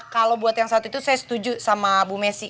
kalau buat yang saat itu saya setuju sama bu messi